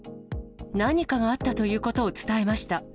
何かがあったということを伝えました。